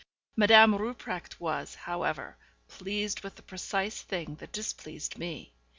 Madame Rupprecht was, however, pleased with the precise thing that displeased me.